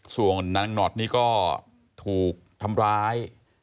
ส่วนนางหนอดนี่ก็ถูกทำร้าย